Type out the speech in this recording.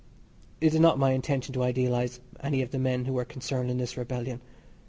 It is not my intention to idealise any of the men who were concerned in this rebellion.